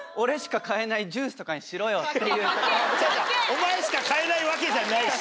お前しか買えないわけじゃないし。